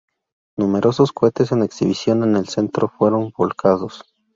Numerosos cohetes en exhibición en el centro fueron volcados.